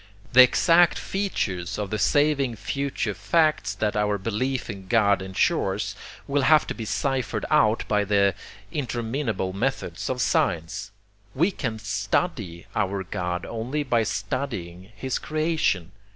The exact features of the saving future facts that our belief in God insures, will have to be ciphered out by the interminable methods of science: we can STUDY our God only by studying his Creation.